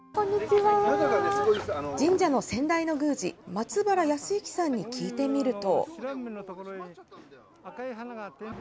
先代の宮司、松原康行さんに聞いてみると。